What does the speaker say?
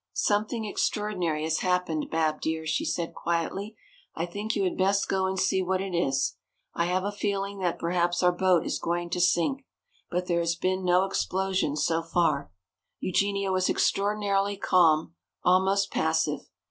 "Something extraordinary has happened, Bab dear," she said quietly. "I think you had best go and see what it is. I have a feeling that perhaps our boat is going to sink. But there has been no explosion so far!" Eugenia was extraordinarily calm, almost passive.